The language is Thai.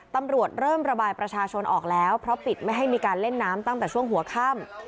ตำรวจเริ่มระบายประชาชนออกแล้วเพราะปิดไม่ให้มีการเล่นน้ำตั้งแต่ช่วงหัวค่ำ